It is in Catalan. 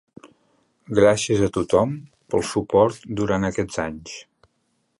Gràcies a tothom pel suport durant aquests anys.